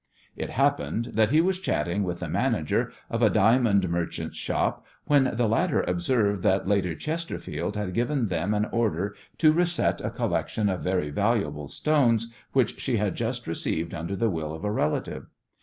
It happened that he was chatting with the manager of a diamond merchants shop when the latter observed that Lady Chesterfield had given them an order to reset a collection of very valuable stones which she had just received under the will of a relative.